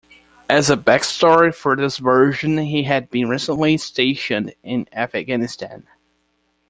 As a back-story for this version, he had been recently stationed in Afghanistan.